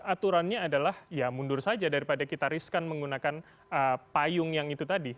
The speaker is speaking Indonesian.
aturannya adalah ya mundur saja daripada kita riskan menggunakan payung yang itu tadi